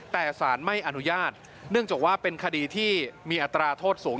แต่สารไม่อนุญาตเนื่องจากว่าเป็นคดีที่มีอัตราโทษสูง